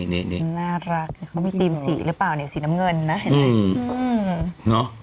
นี่น่ารักเขามีธีมสีหรือเปล่าเนี่ยสีน้ำเงินนะเห็นไหม